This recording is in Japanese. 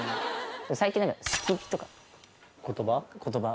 最近何か好きピとか言葉？